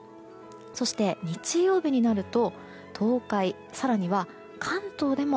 そして、日曜日になると東海、更には関東でも